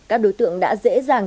các đối tượng đã dễ dàng